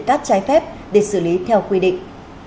các trái phép để xử lý theo quy định